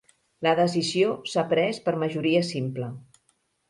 La decisió s'ha pres per majoria simple